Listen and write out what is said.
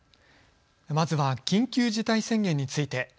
まずは緊急事態宣言について。